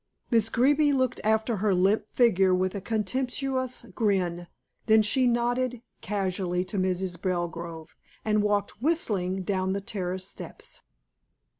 Miss Greeby looked after her limp figure with a contemptuous grin, then she nodded casually to Mrs. Belgrove, and walked whistling down the terrace steps.